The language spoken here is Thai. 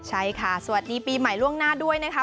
ใช่ค่ะสวัสดีปีใหม่ล่วงหน้าด้วยนะคะ